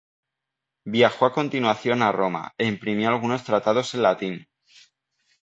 Viajó a continuación a Roma e imprimió algunos tratados en latín.